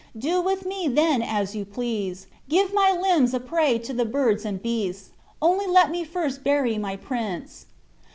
Do with me then as you please. Give my limbs a prey to the birds and beasts; only let me first bury my prince."